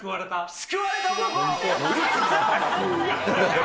救われた男。